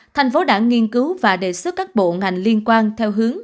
tp hcm đã nghiên cứu và đề xuất các bộ ngành liên quan theo hướng